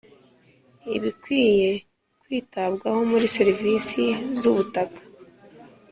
Ibikwiye kwitabwaho muri serivisi z ubutaka